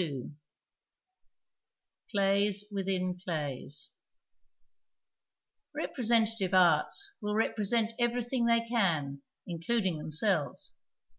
116 PLAYS WITHIN PLAYS Representative arts will represent everything they can, including themselves.